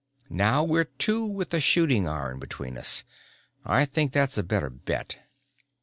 Now we're two with a shooting iron between us. I think that's a better bet."